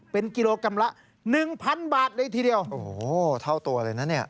เป็นกิโลกรัมละหนึ่งพันบาทเลยทีเดียวโอ้โหเท่าตัวเลยนะเนี่ย